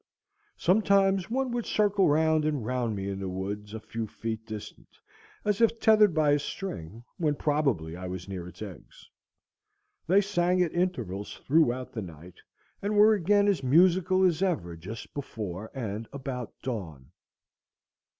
Sometimes one would circle round and round me in the woods a few feet distant as if tethered by a string, when probably I was near its eggs. They sang at intervals throughout the night, and were again as musical as ever just before and about dawn.